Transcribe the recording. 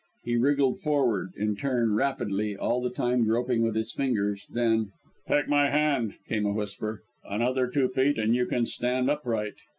He wriggled forward, in turn, rapidly, all the time groping with his fingers. Then: "Take my hand," came a whisper. "Another two feet, and you can stand upright."